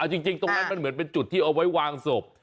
จริงตรงนั้นมันเหมือนเป็นจุดที่เอาไว้วางศพ